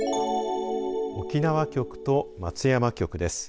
沖縄局と松山局です。